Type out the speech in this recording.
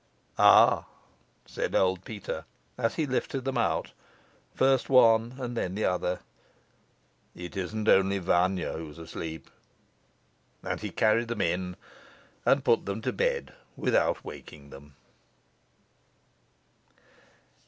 "Ah!" said old Peter, as he lifted them out, first one and then the other; "it isn't only Vanya who's asleep." And he carried them in, and put them to bed without waking them.